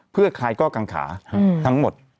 เพื่อคลายข้อกังขาทั้งหมด